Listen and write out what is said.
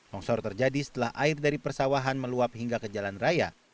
longsor terjadi setelah air dari persawahan meluap hingga ke jalan raya